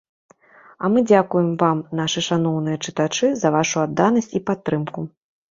А мы дзякуем вам, нашы шаноўныя чытачы, за вашу адданасць і падтрымку.